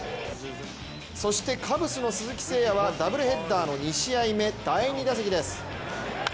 そしてカブスの鈴木誠也はダブルヘッダーの２試合目第２打席です。